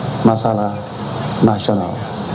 dan menjadi masalah nasional